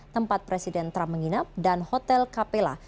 tempat presiden trump menginap dan hotel capella